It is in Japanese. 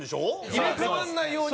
入れ替わらないように。